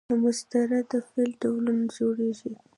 له مصدره د فعل ډولونه جوړیږي.